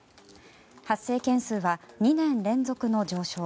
発生件数は２年連続の上昇。